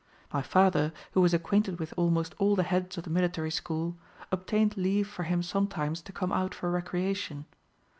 My father, who was acquainted with almost all the heads of the military school, obtained leave for him sometimes to come out for recreation.